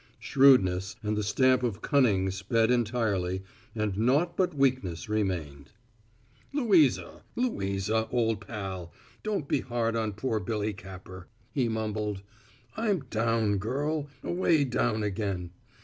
Shrewdness and the stamp of cunning sped entirely, and naught but weakness remained. "Louisa Louisa, old pal; don't be hard on poor Billy Capper," he mumbled. "I'm down, girl away down again.